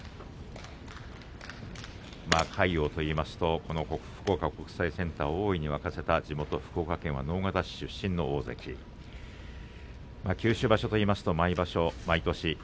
魁皇といいますと福岡国際センターを大いに沸かせた地元福岡県は直方市出身の大関九州場所というと毎場所